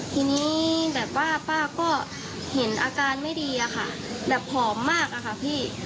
ทีนี้แบบว่าป้าก็เห็นอาการไม่ดีอะค่ะแบบผอมมากอะค่ะพี่